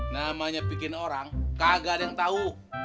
namanya bikin orang kagak ada yang tahu